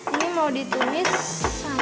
ini mau ditumis sampai